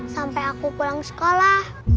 sampai aku pulang sekolah